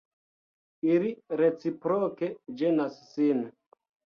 Ili reciproke ĝenas sin.